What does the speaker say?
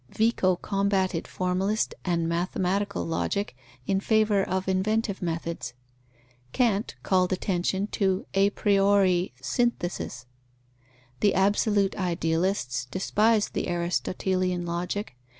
Vico combated formalist and mathematical logic in favour of inventive methods. Kant called attention to a priori syntheses. The absolute idealists despised the Aristotelian logic.